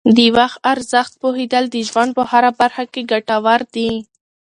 د وخت ارزښت پوهیدل د ژوند په هره برخه کې ګټور دي.